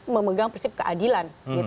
memegang prinsip keadilan